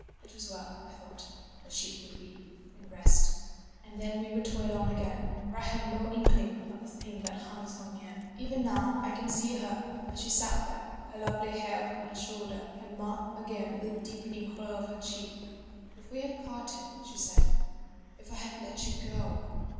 It was well, I thought, that she would weep and rest and then we would toil on again, for I had no inkling of the thing that hung so near. Even now I can see her as she sat there, her lovely hair upon her shoulder, can mark again the deepening hollow of her cheek. "'If we had parted,' she said, 'if I had let you go.